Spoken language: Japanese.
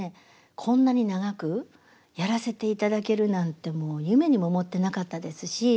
こんなに長くやらせていただけるなんて夢にも思ってなかったですし。